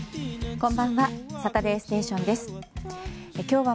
こんばんは。